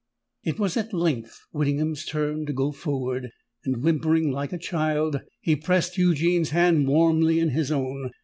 It was at length Whittingham's turn to go forward; and, whimpering like a child, he pressed Eugene's hand warmly in his own.